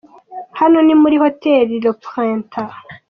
Hano ni muri Hotel Le Printemps.